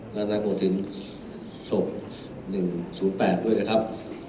ราวรรณโบสถิติศพ๑๐๘ด้วยนะครับ